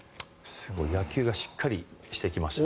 野球がしっかりしてきましたね。